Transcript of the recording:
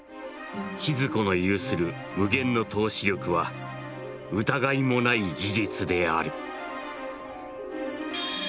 「千鶴子の有する無限の透視力は疑いもない事実である」。